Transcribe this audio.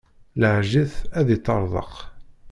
Laɛej it, ad iṭṭerḍeq.